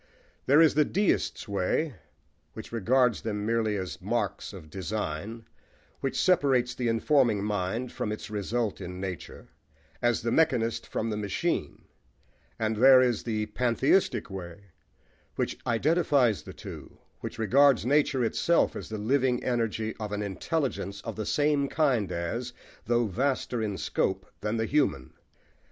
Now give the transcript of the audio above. There is the deist's way, which regards them merely as marks of design, which separates the informing mind from its result in nature, as the mechanist from the machine; and there is the pantheistic way, which identifies the two, which regards nature itself as the living energy of an intelligence of the same kind as though vaster in scope than the human.